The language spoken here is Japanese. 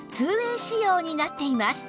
２ＷＡＹ 仕様になっています